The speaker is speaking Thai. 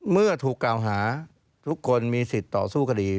เมื่อถูกกล่าวหาทุกคนมีสิทธิ์ต่อสู้คดี